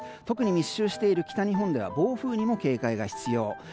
特に密集している北日本では暴風にも警戒が必要。